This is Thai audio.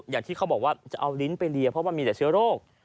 อย่างที่เขาบอกว่าจะเอาลิ้นไปเลียเพราะมันมีแต่เชื้อโรค